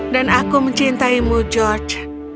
dan aku mencintaimu george